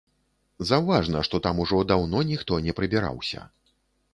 Заўважна, што там ужо даўно ніхто не прыбіраўся.